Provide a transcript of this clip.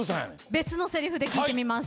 別のせりふで聞いてみます。